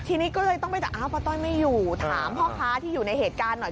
ทีนี้ก็เลยต้องไปแต่อ้าวป้าต้อยไม่อยู่ถามพ่อค้าที่อยู่ในเหตุการณ์หน่อย